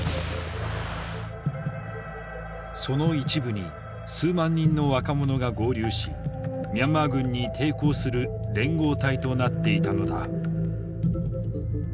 その一部に数万人の若者が合流しミャンマー軍に抵抗する連合体となっていたのだ。